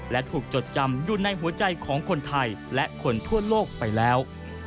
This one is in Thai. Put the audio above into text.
และถูกจดจำอยู่ในหัวใจของคนไทยและคนทั่วโลกไปแล้ว